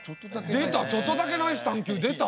出た「チョットだけナイス探究」出た。